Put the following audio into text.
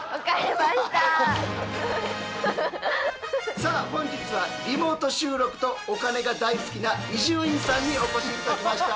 さあ本日はリモート収録とお金が大好きな伊集院さんにお越し頂きました。